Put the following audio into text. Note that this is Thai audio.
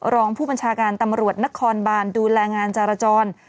รองผู้บัญชาการตำรวจนครบานดูแลงานจราจร